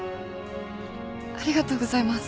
ありがとうございます。